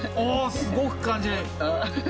すごく感じる。